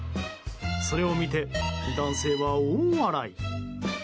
それを見て男性は大笑い。